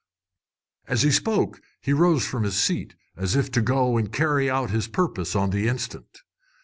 As he spoke he rose from his seat, as if to go and carry out his purpose on the instant.